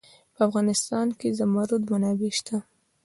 په افغانستان کې د زمرد منابع شته.